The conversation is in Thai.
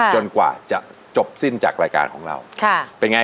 จนกว่าจะจบสิ้นจากรายการของเรา